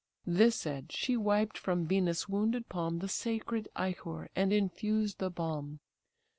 This said, she wiped from Venus' wounded palm The sacred ichor, and infused the balm.